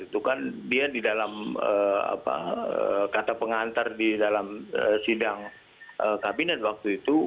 itu kan dia di dalam kata pengantar di dalam sidang kabinet waktu itu